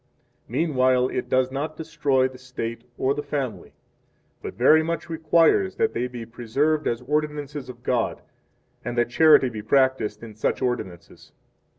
Meanwhile, it does not destroy the State or the family, but very much requires that they be preserved as ordinances of God, and that charity be practiced in such 6 ordinances.